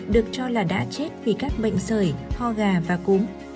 được cho là đã chết vì các bệnh sởi ho gà và cúm